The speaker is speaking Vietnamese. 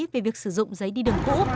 về việc sử dụng giấy đi đường cũ